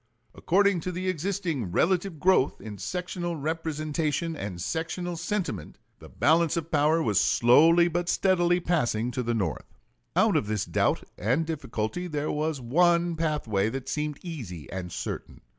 According to the existing relative growth in sectional representation and sectional sentiment, the balance of power was slowly but steadily passing to the North. Out of this doubt and difficulty there was one pathway that seemed easy and certain.